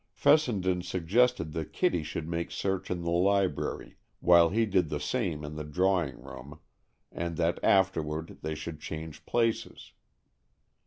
Fessenden suggested that Kitty should make search in the library while he did the same in the drawing room; and that afterward they should change places.